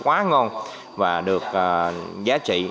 quá ngon và được giá trị